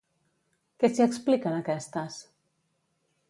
Què s'hi explica en aquestes?